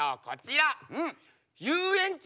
こちら。